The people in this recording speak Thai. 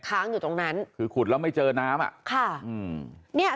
ค้างอยู่ตรงนั้นคือขุดแล้วไม่เจอน้ำอ่ะ